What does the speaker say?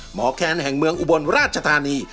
แคนแห่งเมืองอุบลราชธานี